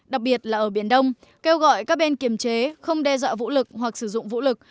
đặc biệt là ở biển đông kêu gọi các bên kiềm chế không đe dọa vũ lực hoặc sử dụng vũ lực